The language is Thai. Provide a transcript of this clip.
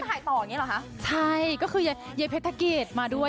กับเพลงที่มีชื่อว่ากี่รอบก็ได้